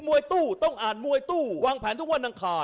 มุมแดงและมุมน้ำเงินนะครับ